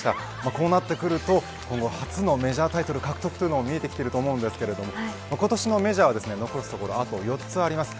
こうなってくると今後初のメジャータイトル獲得も見えてきていると思いますが今年のメジャーは残すところ、あと４つあります。